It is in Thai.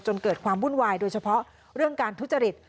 เกิดความวุ่นวายโดยเฉพาะเรื่องการทุจริต